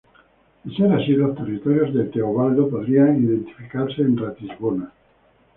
De ser así, los territorios de Teobaldo podrían identificarse en Ratisbona.